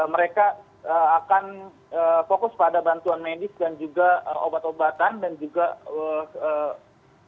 mereka akan fokus pada bantuan medis dan juga obat obatan dan juga stok makanan dan juga air berdua